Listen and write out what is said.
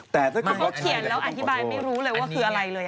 แต่เขาเขียนแล้วอธิบายไม่รู้เลยว่าคืออะไรเลย